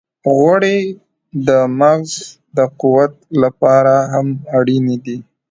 غوړې د مغز د قوت لپاره هم اړینې دي.